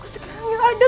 sekarang gak ada